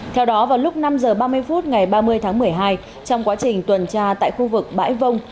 theo đó vào lúc năm h ba mươi phút ngày ba mươi tháng một mươi hai trong quá trình tuần tra tại khu vực bãi vông